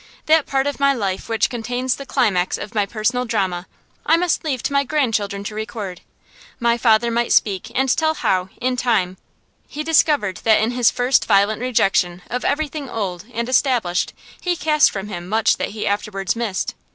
That part of my life which contains the climax of my personal drama I must leave to my grandchildren to record. My father might speak and tell how, in time, he discovered that in his first violent rejection of everything old and established he cast from him much that he afterwards missed.